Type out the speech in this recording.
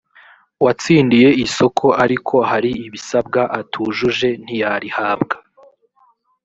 watsindiye isoko ariko hari ibisabwa atujuje ntiyarihabwa